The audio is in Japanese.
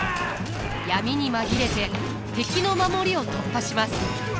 闇に紛れて敵の守りを突破します。